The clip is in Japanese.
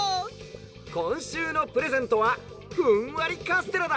「こんしゅうのプレゼントはふんわりカステラだ。